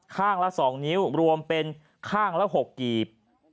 ข้างละ๒นิ้วรวมเป็นข้างละ๖กีบ